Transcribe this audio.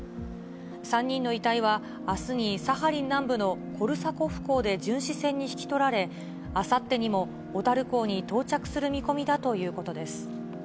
３人の遺体は、あすにサハリン南部のコルサコフ港で巡視船に引き取られ、あさってにも小樽港に到着する見込みだということです。